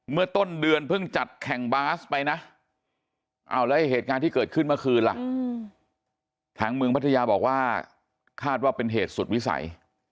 เมื่อต้นเดือนเพิ่งจัดแข่งบาสไปนะแล้วไอ้เหตุการณ์ที่เกิดขึ้นเมื่อคืนล่ะทางเมืองพัทยาบอกว่าคาดว่าเป็นเหตุสุดวิสัย